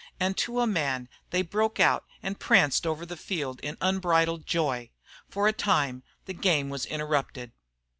And to a man they broke out and pranced over the field in unbridled joy. For a time the game was interrupted.